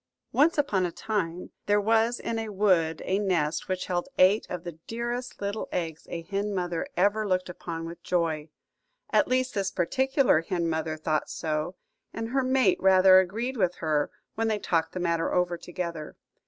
ONCE upon a time there was in a wood a nest which held eight of the dearest little eggs a hen mother ever looked upon with joy. At least this particular hen mother thought so, and her mate rather agreed with her when they talked the matter over together.